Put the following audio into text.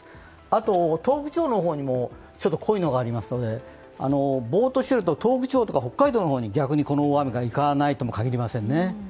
あと、東北地方にもちょっと濃いのがありますので、ぼーっとしていると、東北地方とか北海道の方に逆にこの大雨が行かないとも限りませんね。